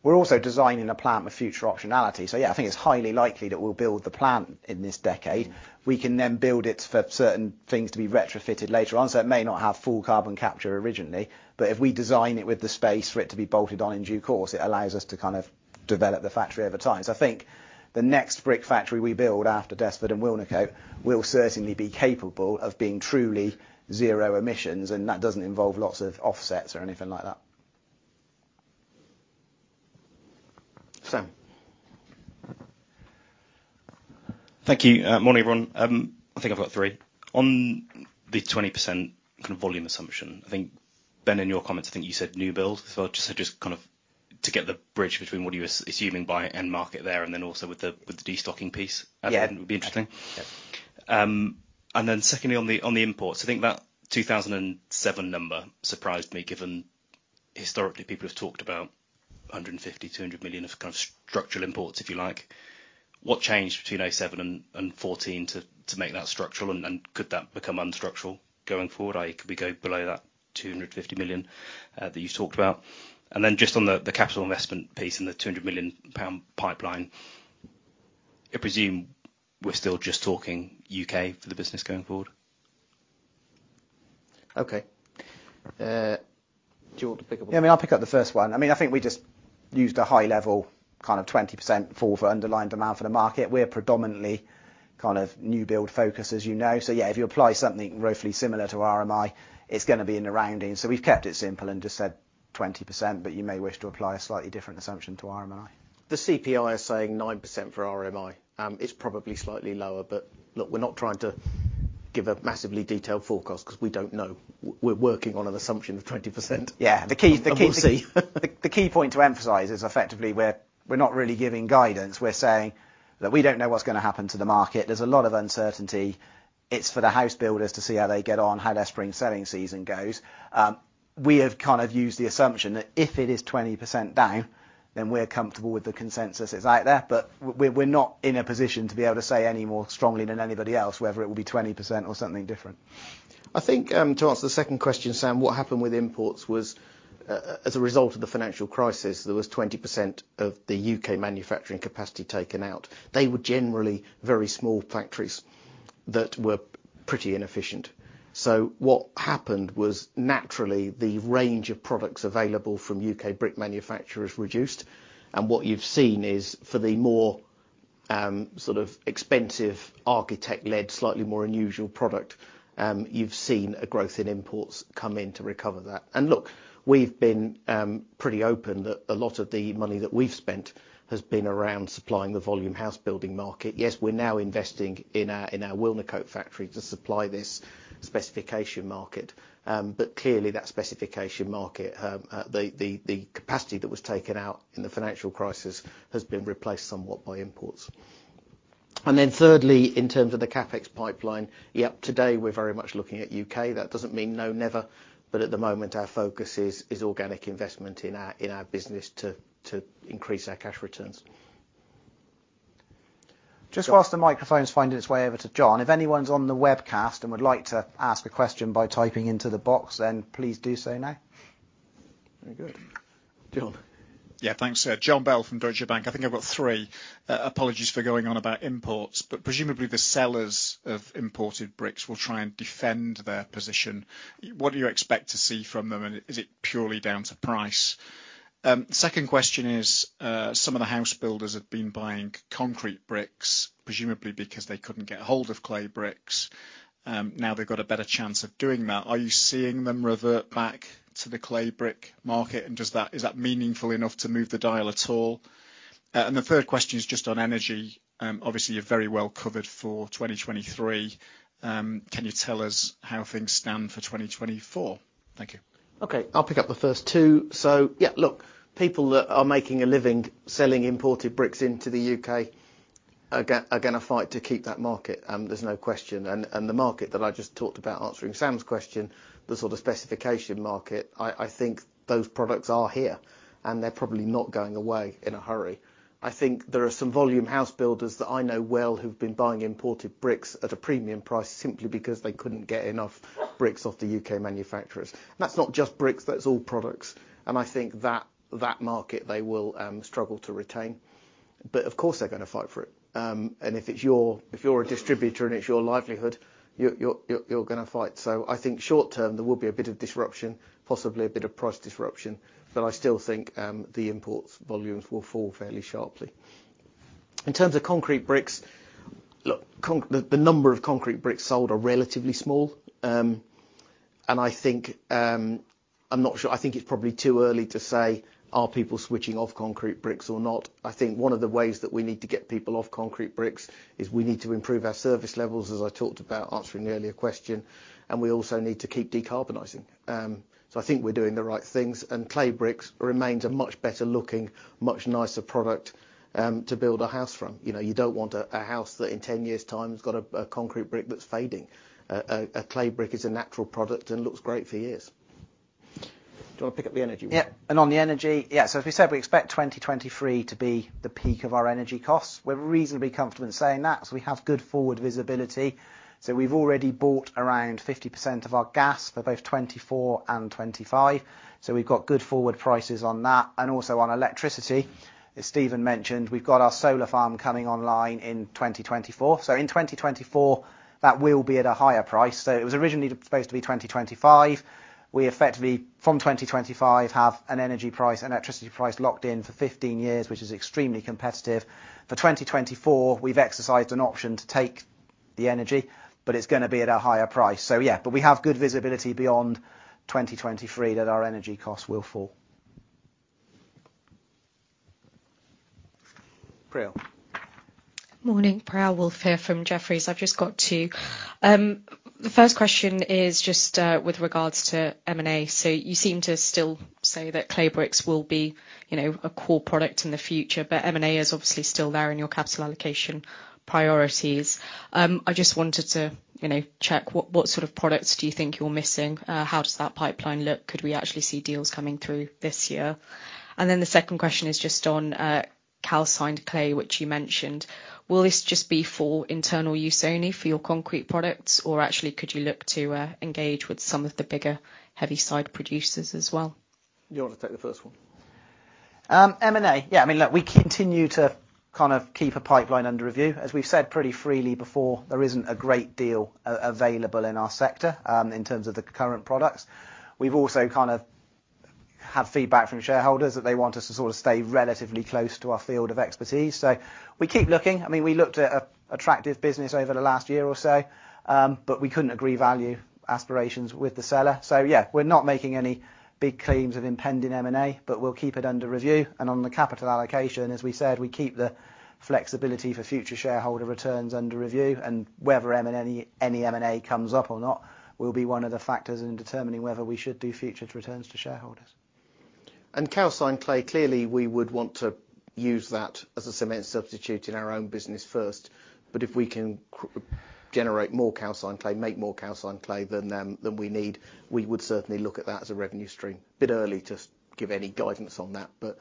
Speaker 2: We're also designing a plant with future optionality. Yeah, I think it's highly likely that we'll build the plant in this decade. We can then build it for certain things to be retrofitted later on, so it may not have full carbon capture originally, but if we design it with the space for it to be bolted on in due course, it allows us to kind of develop the factory over time. I think the next brick factory we build after Desford and Wilnecote will certainly be capable of being truly zero emissions, and that doesn't involve lots of offsets or anything like that.
Speaker 1: Sam.
Speaker 5: Thank you. Morning, everyone. I think I've got three. On the 20% kind of volume assumption, I think, Ben, in your comments, I think you said new build. Just to get the bridge between what you were assuming by end market there, and then also with the destocking piece.
Speaker 2: Yeah I think it would be interesting.
Speaker 1: Yeah.
Speaker 5: Secondly, on the imports, I think that 2007 number surprised me given historically people have talked about 150 million-200 million of structural imports, if you like. What changed between 2007 and 2014 to make that structural and could that become unstructural going forward? Could we go below that 250 million that you talked about? Just on the capital investment piece and the 200 million pound pipeline, I presume we're still just talking U.K. for the business going forward.
Speaker 1: Do you want to pick up on that?
Speaker 2: I mean, I'll pick up the first one. I mean, I think we just used a high level, kind of 20% fall for underlying demand for the market. We're predominantly kind of new build focused, as you know. If you apply something roughly similar to RMI, it's gonna be in the rounding. We've kept it simple and just said 20%, you may wish to apply a slightly different assumption to RMI.
Speaker 1: The CPI is saying 9% for RMI. It's probably slightly lower, but look, we're not trying to give a massively detailed forecast 'cause we don't know. We're working on an assumption of 20%.
Speaker 2: Yeah. The key.
Speaker 1: We'll see.
Speaker 2: The key point to emphasize is effectively we're not really giving guidance. We're saying that we don't know what's going to happen to the market. There's a lot of uncertainty. It's for the house builders to see how they get on, how their spring selling season goes. We have kind of used the assumption that if it is 20% down, then we're comfortable with the consensus that's out there. But we're not in a position to be able to say any more strongly than anybody else, whether it will be 20% or something different.
Speaker 1: I think, to answer the second question, Sam, what happened with imports was, as a result of the financial crisis, there was 20% of the U.K. manufacturing capacity taken out. They were generally very small factories that were pretty inefficient. What happened was, naturally, the range of products available from U.K. brick manufacturers reduced, and what you've seen is for the more, sort of expensive architect-led, slightly more unusual product, you've seen a growth in imports come in to recover that. Look, we've been pretty open that a lot of the money that we've spent has been around supplying the volume house building market. Yes, we're now investing in our Wilnecote factory to supply this specification market. Clearly that specification market, the capacity that was taken out in the financial crisis has been replaced somewhat by imports. Thirdly, in terms of the CapEx pipeline, today we're very much looking at U.K. That doesn't mean no never, but at the moment, our focus is organic investment in our business to increase our cash returns.
Speaker 2: Just whilst the microphone's finding its way over to Jon, if anyone's on the webcast and would like to ask a question by typing into the box, then please do so now.
Speaker 1: Very good. John.
Speaker 6: Thanks. Jon Bell from Deutsche Bank. I think I've got three. Apologies for going on about imports, but presumably the sellers of imported bricks will try and defend their position. What do you expect to see from them, and is it purely down to price? Second question is, some of the house builders have been buying concrete bricks, presumably because they couldn't get a hold of clay bricks. Now they've got a better chance of doing that. Are you seeing them revert back to the clay brick market, and is that meaningful enough to move the dial at all? The third question is just on energy. Obviously you're very well covered for 2023. Can you tell us how things stand for 2024? Thank you.
Speaker 1: Okay. I'll pick up the first two. Yeah, look, people that are making a living selling imported bricks into the U.K. are gonna fight to keep that market, there's no question. And the market that I just talked about answering Sam's question, the sort of specification market, I think those products are here and they're probably not going away in a hurry. I think there are some volume house builders that I know well who've been buying imported bricks at a premium price simply because they couldn't get enough bricks off the U.K. manufacturers. That's not just bricks, that's all products. I think that market they will struggle to retain. Of course they're gonna fight for it. If you're a distributor and it's your livelihood, you're gonna fight. I think short term, there will be a bit of disruption, possibly a bit of price disruption, but I still think, the imports volumes will fall fairly sharply. In terms of concrete bricks, look, the number of concrete bricks sold are relatively small. I think, I'm not sure. I think it's probably too early to say are people switching off concrete bricks or not. I think one of the ways that we need to get people off concrete bricks is we need to improve our service levels, as I talked about answering the earlier question, and we also need to keep decarbonizing. I think we're doing the right things, and clay bricks remains a much better looking, much nicer product, to build a house from. You know, you don't want a house that in 10 years' time has got a concrete brick that's fading. A clay brick is a natural product and looks great for years. Do you wanna pick up the energy one?
Speaker 2: On the energy, as we said, we expect 2023 to be the peak of our energy costs. We're reasonably comfortable in saying that because we have good forward visibility. We've already bought around 50% of our gas for both 2024 and 2025, we've got good forward prices on that. Also on electricity, as Stephen mentioned, we've got our solar farm coming online in 2024. In 2024, that will be at a higher price. It was originally supposed to be 2025. We effectively, from 2025, have an energy price, electricity price locked in for 15 years, which is extremely competitive. For 2024, we've exercised an option to take the energy, but it's gonna be at a higher price. We have good visibility beyond 2023 that our energy costs will fall.
Speaker 1: Priyal.
Speaker 7: Morning. Priyal Woolf here from Jefferies. I've just got two, the first question is just with regards to M&A. You seem to still say that Clay Bricks will be, you know, a core product in the future, but M&A is obviously still there in your capital allocation priorities. I just wanted to, you know, check what sort of products do you think you're missing? How does that pipeline look? Could we actually see deals coming through this year? Then the second question is just on calcined clay, which you mentioned. Will this just be for internal use only for your concrete products? Or actually could you look to engage with some of the bigger, heavy side producers as well?
Speaker 1: You wanna take the first one.
Speaker 2: M&A. Yeah, I mean, look, we continue to kind of keep a pipeline under review. As we've said pretty freely before, there isn't a great deal available in our sector in terms of the current products. We've also kind of had feedback from shareholders that they want us to sort of stay relatively close to our field of expertise. We keep looking. I mean, we looked at a attractive business over the last year or so, but we couldn't agree value aspirations with the seller. Yeah, we're not making any big claims of impending M&A, but we'll keep it under review. On the capital allocation, as we said, we keep the flexibility for future shareholder returns under review, and whether any M&A comes up or not will be one of the factors in determining whether we should do future returns to shareholders. Calcined clay, clearly we would want to use that as a cement substitute in our own business first, but if we can generate more calcined clay, make more calcined clay than we need, we would certainly look at that as a revenue stream. A bit early to give any guidance on that, but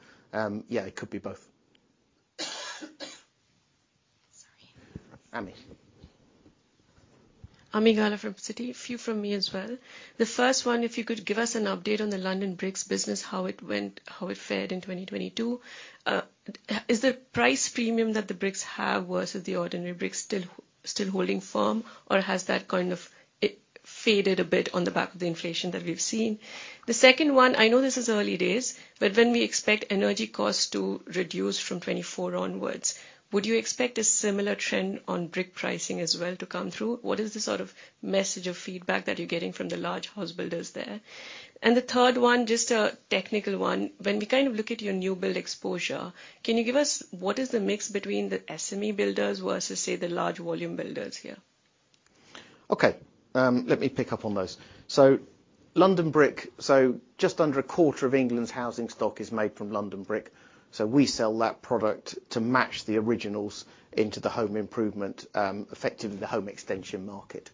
Speaker 2: yeah, it could be both.
Speaker 7: Sorry.
Speaker 1: Ami.
Speaker 8: Ami Galla from Citi. A few from me as well. The first one, if you could give us an update on the London Bricks business, how it went, how it fared in 2022. Is the price premium that the bricks have, versus the ordinary bricks still holding firm, or has that kind of faded a bit on the back of the inflation that we've seen? The second one, I know this is early days, but when we expect energy costs to reduce from 2024 onwards, would you expect a similar trend on brick pricing as well to come through? What is the sort of message of feedback that you're getting from the large house builders there? The third one, just a technical one. When we kind of look at your new build exposure, can you give us what is the mix between the SME builders versus say, the large volume builders here?
Speaker 1: Okay, let me pick up on those. London Brick, just under a quarter of England's housing stock is made from London Brick. We sell that product to match the originals into the home improvement, effectively the home extension market.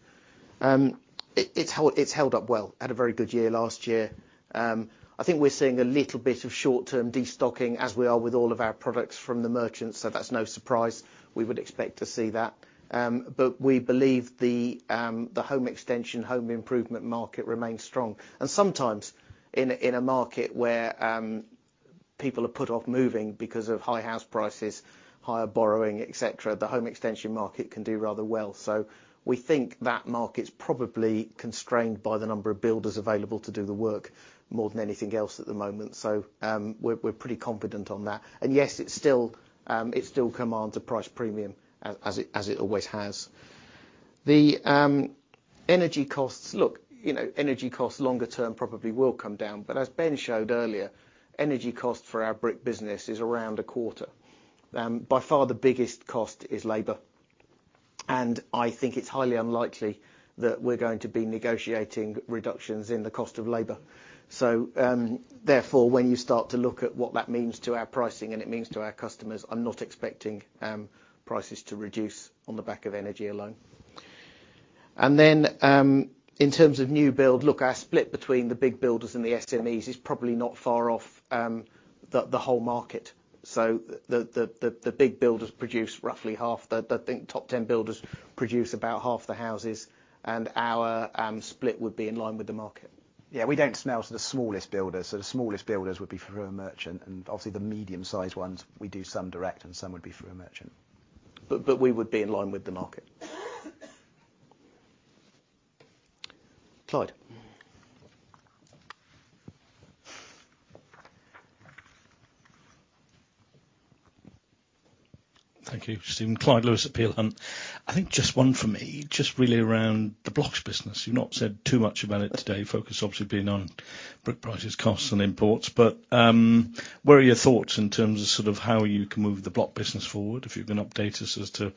Speaker 1: It's held up well. Had a very good year last year. I think we're seeing a little bit of short-term destocking as we are with all of our products from the merchants, so that's no surprise. We would expect to see that. We believe the home extension, home improvement market remains strong. Sometimes in a market where people are put off moving because of high house prices, higher borrowing, et cetera, the home extension market can do rather well. We think that market's probably constrained by the number of builders available to do the work more than anything else at the moment. We're pretty confident on that. Yes, it still commands a price premium as it always has. The energy costs. Look, you know, energy costs longer term probably will come down, but as Ben showed earlier, energy cost for our brick business is around a quarter. By far the biggest cost is labor. I think it's highly unlikely that we're going to be negotiating reductions in the cost of labor. Therefore, when you start to look at what that means to our pricing and it means to our customers, I'm not expecting prices to reduce on the back of energy alone. In terms of new build, look, our split between the big builders and the SMEs is probably not far off the whole market. Big builders produce roughly half, I think top 10 builders produce about half the houses and our split would be in line with the market. Yeah, we don't sell to the smallest builders, the smallest builders would be through a merchant and obviously the medium-sized ones, we do some direct and some would be through a merchant. We would be in line with the market. Clyde.
Speaker 9: Thank you. Stephen Clyde Lewis at Peel Hunt. I think just one from me, just really around the blocks business. You've not said too much about it today. Focus obviously being on brick prices, costs, and imports. Where are your thoughts in terms of sort of how you can move the block business forward? If you can update us as to,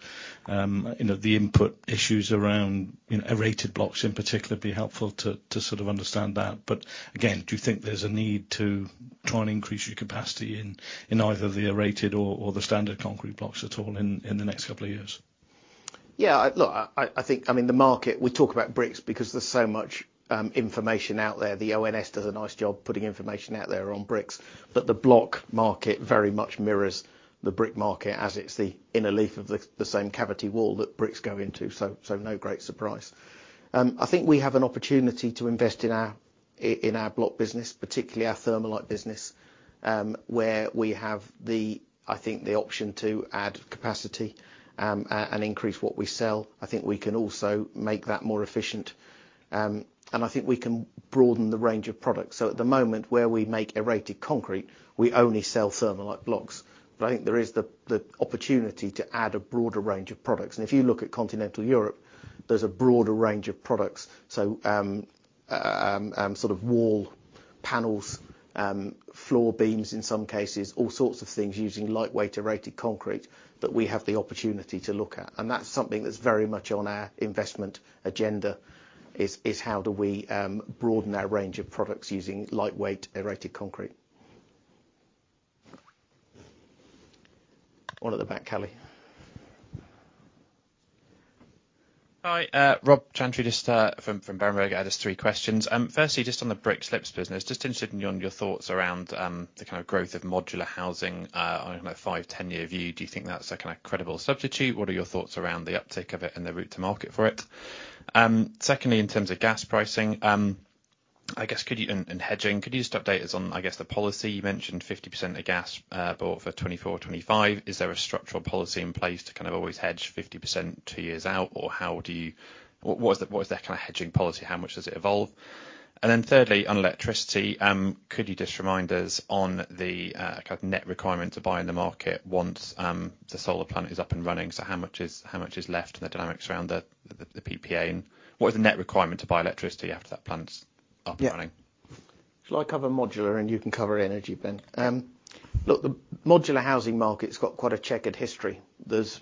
Speaker 9: you know, the input issues around, you know, aerated blocks in particular, it'd be helpful to sort of understand that. Again, do you think there's a need to try and increase your capacity in either the aerated or the standard concrete blocks at all in the next couple of years?
Speaker 1: Yeah. Look, I think, I mean, the market, we talk about bricks because there's so much information out there. The ONS does a nice job putting information out there on bricks. The block market very much mirrors the brick market as it's the inner leaf of the same cavity wall that bricks go into, so no great surprise. I think we have an opportunity to invest in our block business, particularly our Thermalite business, where we have the, I think the option to add capacity and increase what we sell. I think we can also make that more efficient. I think we can broaden the range of products. At the moment, where we make aerated concrete, we only sell Thermalite blocks. I think there is the opportunity to add a broader range of products. If you look at continental Europe, there's a broader range of products. Sort of wall-panels, floor beams in some cases, all sorts of things using lightweight aerated concrete that we have the opportunity to look at. That's something that's very much on our investment agenda, is how do we broaden our range of products using lightweight aerated concrete. One at the back, Kelly.
Speaker 10: Hi. Rob Chantry, just from Berenberg. I just have three questions. Firstly, just on the brick slips business. Just interested in on your thoughts around the kind of growth of modular housing on a 5, 10-year view. Do you think that's a kind of credible substitute? What are your thoughts around the uptake of it and the route to market for it? Secondly, in terms of gas pricing and hedging, could you just update us on, I guess, the policy? You mentioned 50% of the gas bought for 2024, 2025. Is there a structural policy in place to kind of always hedge 50% two years out, or what is their current hedging policy? How much does it evolve? Thirdly, on electricity, could you just remind us on the kind of net requirement to buy in the market once the solar plant is up and running? How much is left and the dynamics around the PPA and what is the net requirement to buy electricity after that plant's up and running?
Speaker 1: Yeah. Shall I cover modular and you can cover energy, Ben? Look, the modular housing market's got quite a checkered history. It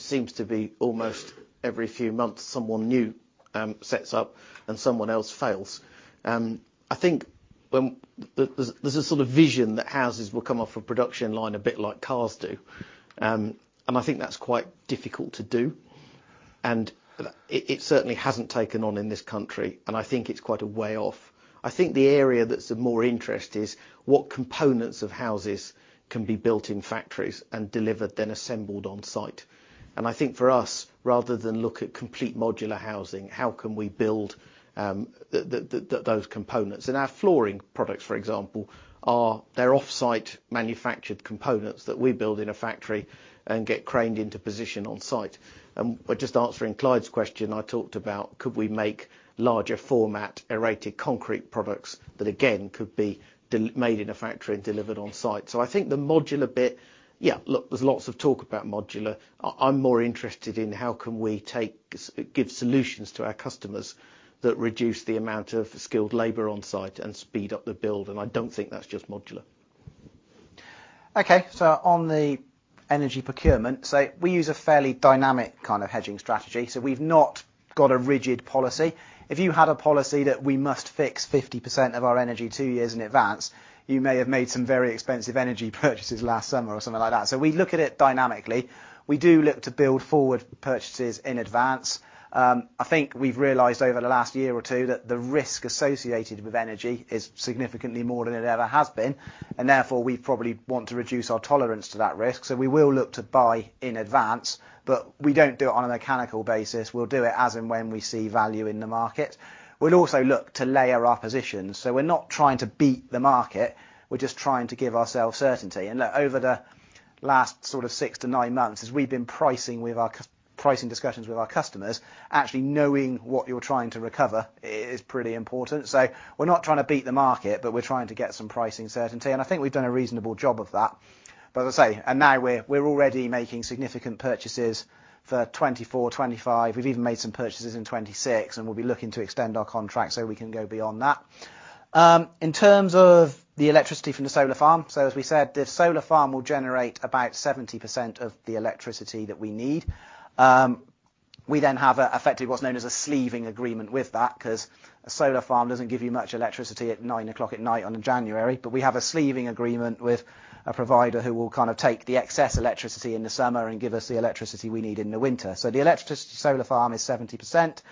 Speaker 1: seems to be almost every few months, someone new sets up and someone else fails. I think when there's a sort of vision that houses will come off a production line a bit like cars do. I think that's quite difficult to do, it certainly hasn't taken on in this country, and I think it's quite a way off. I think the area that's of more interest is what components of houses can be built in factories and delivered, then assembled on site. I think for us, rather than look at complete modular housing, how can we build those components? Our flooring products, for example, are, they're off-site manufactured components that we build in a factory and get craned into position on site. Just answering Clyde's question, I talked about could we make larger format aerated concrete products that again could be made in a factory and delivered on site. I think the modular bit, yeah, look, there's lots of talk about modular. I'm more interested in how can we give solutions to our customers that reduce the amount of skilled labor on site and speed up the build, and I don't think that's just modular.
Speaker 2: Okay. On the energy procurement, we use a fairly dynamic kind of hedging strategy. We've not got a rigid policy. If you had a policy that we must fix 50% of our energy 2 years in advance, you may have made some very expensive energy purchases last summer or something like that. We look at it dynamically. We do look to build forward purchases in advance. I think we've realized over the last year or 2 that the risk associated with energy is significantly more than it ever has been, and therefore, we probably want to reduce our tolerance to that risk. We will look to buy in advance, but we don't do it on a mechanical basis. We'll do it as and when we see value in the market. We'd also look to layer our positions. We're not trying to beat the market. We're just trying to give ourselves certainty. Look, over the last sort of six to nine months, as we've been pricing with our pricing discussions with our customers, actually knowing what you're trying to recover is pretty important. We're not trying to beat the market, but we're trying to get some pricing certainty, and I think we've done a reasonable job of that. As I say, and now we're already making significant purchases for 2024, 2025. We've even made some purchases in 2026, and we'll be looking to extend our contract so we can go beyond that. In terms of the electricity from the solar farm, as we said, the solar farm will generate about 70% of the electricity that we need. We then have a effectively what's known as a sleeving agreement with that, 'cause a solar farm doesn't give you much electricity at 9:00 at night on January. We have a sleeving agreement with a provider who will kind of take the excess electricity in the summer and give us the electricity we need in the winter. The electricity solar farm is 70%.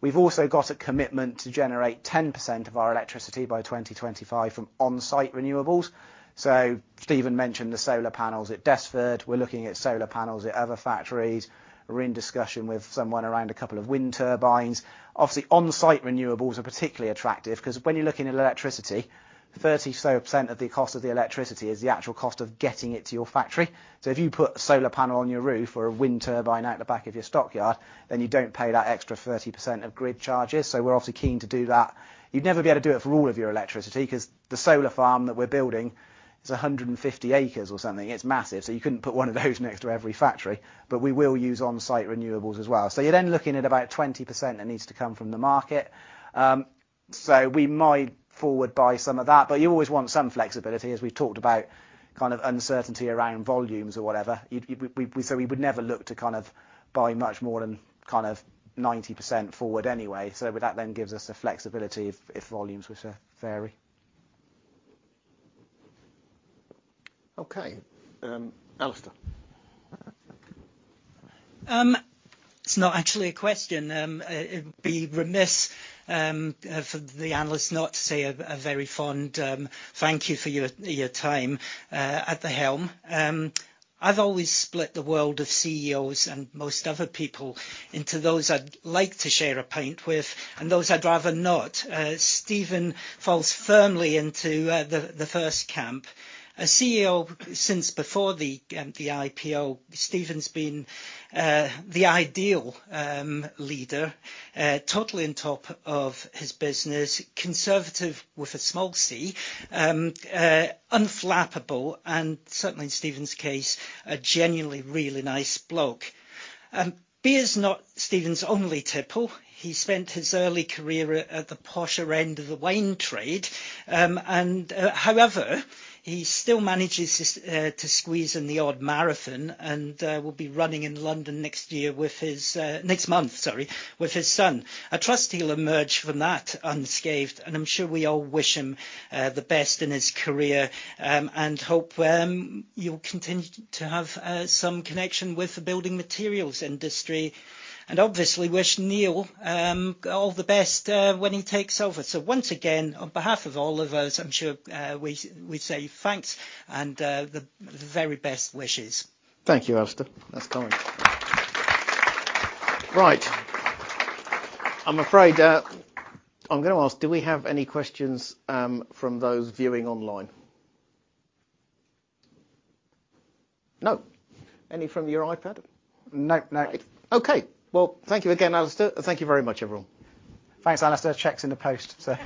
Speaker 2: We've also got a commitment to generate 10% of our electricity by 2025 from on-site renewables. Stephen mentioned the solar panels at Desford. We're looking at solar panels at other factories. We're in discussion with someone around a couple of wind turbines. Obviously, on-site renewables are particularly attractive 'cause when you're looking at electricity, 30%-so of the cost of the electricity is the actual cost of getting it to your factory. If you put a solar panel on your roof or a wind turbine out the back of your stockyard, then you don't pay that extra 30% of grid charges, so we're obviously keen to do that. You'd never be able to do it for all of your electricity 'cause the solar farm that we're building is 150 acres or something. It's massive. You couldn't put one of those next to every factory. We will use on-site renewables as well. You're then looking at about 20% that needs to come from the market. We might forward buy some of that, but you always want some flexibility, as we've talked about, kind of uncertainty around volumes or whatever. We, so we would never look to kind of buy much more than kind of 90% forward anyway. That then gives us the flexibility if volumes were to vary.
Speaker 1: Okay. Alistair.
Speaker 11: It's not actually a question. It'd be remiss for the analysts not to say a very fond thank you for your time at the helm. I've always split the world of CEOs and most other people into those I'd like to share a pint with and those I'd rather not. Stephen falls firmly into the first camp. A CEO since before the IPO, Stephen's been the ideal leader. Totally on top of his business, conservative with a small c, unflappable, and certainly in Stephen's case, a genuinely, really nice bloke. Beer's not Stephen's only tipple. He spent his early career at the posher end of the wine trade.
Speaker 12: However, he still manages his to squeeze in the odd marathon and will be running in London next year with his next month, sorry, with his son. I trust he'll emerge from that unscathed, and I'm sure we all wish him the best in his career, and hope you'll continue to have some connection with the building materials industry, and obviously wish Neil all the best when he takes over. Once again, on behalf of all of us, I'm sure, we say thanks and the very best wishes.
Speaker 1: Thank you, Alistair. That's kind. Right. I'm afraid, I'm going to ask, do we have any questions from those viewing online? No. Any from your iPad?
Speaker 2: No, no.
Speaker 1: Okay. Thank you again, Alistair. Thank you very much, everyone.
Speaker 2: Thanks, Alistair. Check's in the post, so.